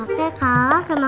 enggak kakek itu udah selesai